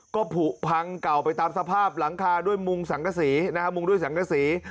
ก็ผูกพังเก่าไปตามสภาพหลังคาด้วยมุงสังกษีนะฮะมุงด้วยสังกษี